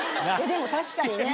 でも確かにね。